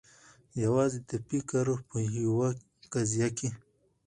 یوازي د فکر په یوه قضیه کي